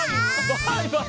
バイバイ。